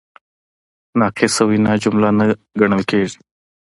ناقصه وینا جمله نه ګڼل کیږي.